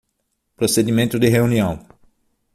Procedimento de reunião